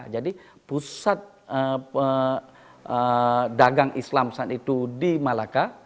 jadi pusat dagang islam saat itu di malacca